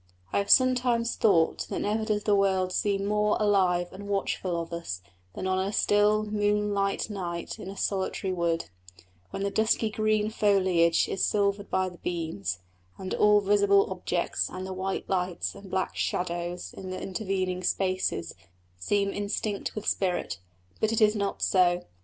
I have sometimes thought that never does the world seem more alive and watchful of us than on a still, moonlight night in a solitary wood, when the dusky green foliage is silvered by the beams, and all visible objects and the white lights and black shadows in the intervening spaces seem instinct with spirit. But it is not so.